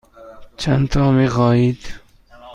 چندتا می خواهید؟